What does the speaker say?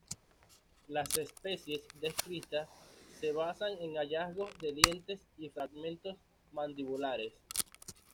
Las especies descritas se basan en hallazgos de dientes y fragmentos mandibulares.